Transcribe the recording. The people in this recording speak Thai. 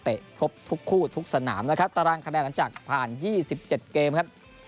เตะพรบทุกคู่ทุกสนามนะครับตารางคะแนนกันจากผ่านยี่สิบเจ็ดเกมครับ